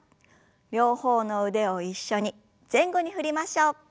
両方の腕を一緒に前後に振りましょう。